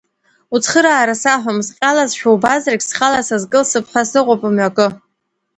Уцхыраара саҳәом, сҟьалазшәа убазаргь, схала сазкылсып ҳәа сыҟоуп мҩакы…